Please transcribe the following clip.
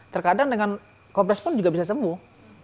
terkadang dengan kompres pun juga bisa sembuh